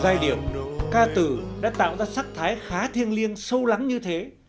giai điệu ca từ đã tạo ra sắc thái khá thiêng liêng sâu lắng như thế